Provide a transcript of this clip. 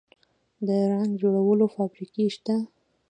د رنګ جوړولو فابریکې شته